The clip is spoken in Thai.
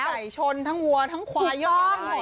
ทั้งไก่ชนทั้งหัวทั้งควายกล้อง